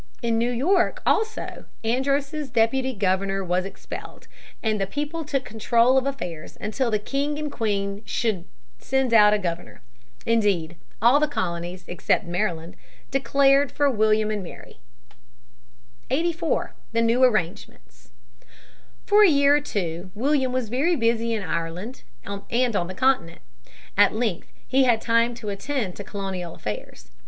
In New York also Andros's deputy governor was expelled, and the people took control of affairs until the king and queen should send out a governor. Indeed, all the colonies, except Maryland, declared for William and Mary. [Sidenote: Policy of William and Mary.] [Sidenote: The Massachusetts Province charter, 1691.] 84. The New Arrangements. For a year or two William was very busy in Ireland and on the continent. At length he had time to attend to colonial affairs.